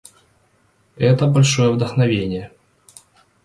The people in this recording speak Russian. Это — большое вдохновение!